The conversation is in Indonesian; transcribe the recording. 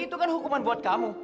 itu kan hukuman buat kamu